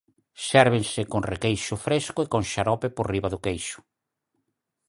Sérvense con requeixo fresco e con xarope por riba do queixo.